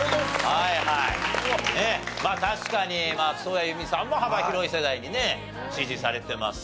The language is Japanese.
まあ確かに松任谷由実さんも幅広い世代にね支持されてますよ。